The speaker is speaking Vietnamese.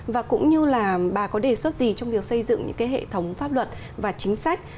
và cũng như là bà có đề xuất gì trong việc xây dựng những hệ thống pháp luật và chính sách